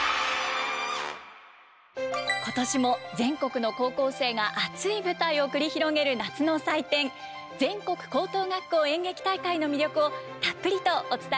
今年も全国の高校生が熱い舞台を繰り広げる夏の祭典全国高等学校演劇大会の魅力をたっぷりとお伝えします。